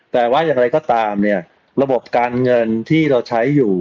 แต่ว่าอย่างไรก็ตามเนี่ยระบบการเงินที่เราใช้อยู่